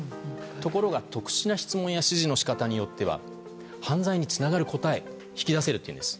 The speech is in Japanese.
ところが、特殊な質問や指示の仕方によっては犯罪につながる答えを引き出せるというんです。